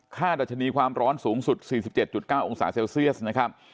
ดัชนีความร้อนสูงสุด๔๗๙องศาเซลเซียสนะครับ